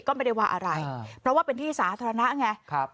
ก็ไม่ได้ว่าอะไรเพราะว่าเป็นที่สาธารณะไงครับ